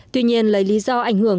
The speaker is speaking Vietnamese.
tuy nhiên lấy lý do ảnh hưởng